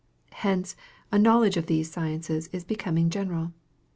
Hence a knowledge of these sciences is becoming general.